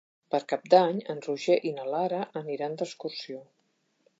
Per Cap d'Any en Roger i na Lara aniran d'excursió.